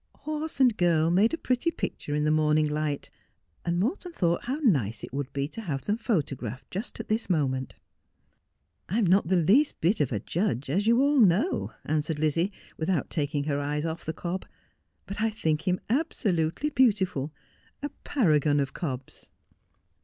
Horse and girl made a pretty picture in the morning light ; and Morton thought how nice it would be to have them photo graphed just at this moment. ' I'm not the least bit of a judge, as you all know,' answered Lizzie, without taking her eyes off the cob, ' but I think him absolutely beautiful — a paragon of cobs.'